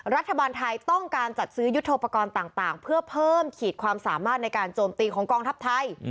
รัฐบาลไทยต้องการจัดซื้อยุทธโปรกรณ์ต่างเพื่อเพิ่มขีดความสามารถในการโจมตีของกองทัพไทย